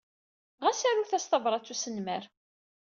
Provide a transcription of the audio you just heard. Ɣas arut-as tabṛat n wesnemmer.